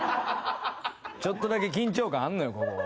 ちょっとだけ緊張感あんのよ。